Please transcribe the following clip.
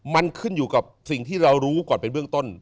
มันขึ้นอยู่กับสิ่งที่เรารู้ก่อนเป็นเบื้องต้น